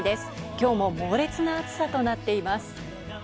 きょうも猛烈な暑さとなっています。